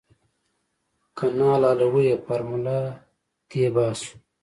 که نه حلالوو يې فارموله تې باسو.